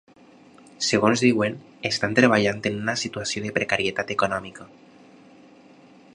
Segons diuen ‘estan treballant en una situació de precarietat econòmica’.